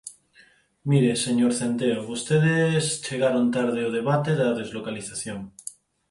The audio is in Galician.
Mire, señor Centeo, vostedes chegaron tarde ao debate da deslocalización.